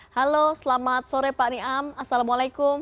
halo selamat sore pak niam assalamualaikum